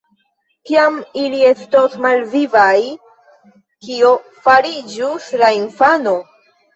Kiam ili estos malvivaj, kio fariĝus la infano?